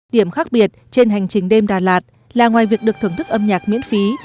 điểm khác biệt trên hành trình đêm đà lạt là ngoài việc được thưởng thức âm nhạc miễn phí